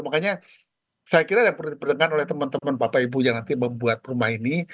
makanya saya kira yang perlu diperdengarkan oleh teman teman bapak ibu yang nanti membuat rumah ini